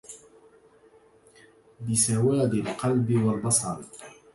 بسوادِ القلبِ والبَصَرِ